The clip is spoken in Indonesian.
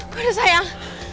gua udah sayang